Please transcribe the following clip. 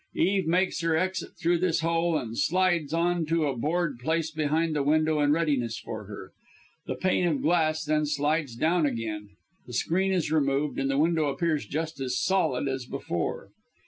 Eve makes her exit through this hole, and slides on to a board placed behind the window in readiness for her. The pane of glass then slides down again, the screen is removed, and the window appears just as solid as before.